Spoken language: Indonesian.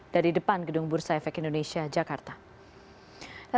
dari depan gedung bursa efek indonesia jakarta